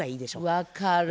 分かる。